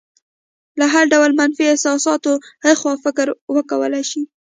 له هر ډول منفي احساساتو اخوا فکر وکولی شي.